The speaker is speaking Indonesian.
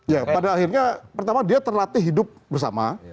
ya pada akhirnya pertama dia terlatih hidup bersama